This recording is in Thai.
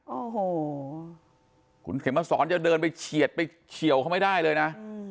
โอ้โหคุณเข็มมาสอนจะเดินไปเฉียดไปเฉียวเขาไม่ได้เลยนะ